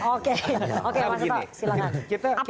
oke mas surya silahkan